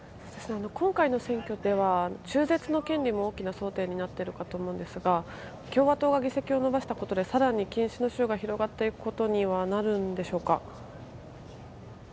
今回の選挙では中絶の権利も大きな争点になっていると思いますが共和党が議席を伸ばしたことで更に禁止の州が広がってくことになるんでしょうか。